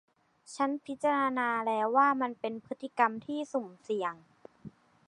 ฉันพิจารณาแล้วว่ามันเป็นพฤติกรรมที่สุ่มเสี่ยง